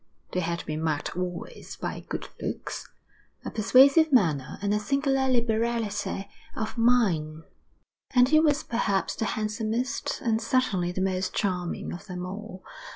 They had been marked always by good looks, a persuasive manner, and a singular liberality of mind; and he was perhaps the handsomest, and certainly the most charming of them all.